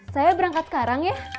saya berangkat sekarang ya